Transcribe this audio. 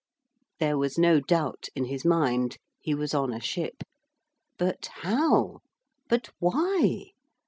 There was no doubt in his mind. He was on a ship. But how, but why?